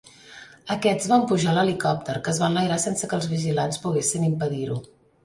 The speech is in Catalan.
Aquests van pujar a l'helicòpter, que es va enlairar sense que els vigilants poguessin impedir-ho.